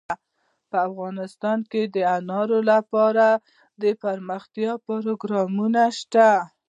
افغانستان کې د انار لپاره دپرمختیا پروګرامونه شته.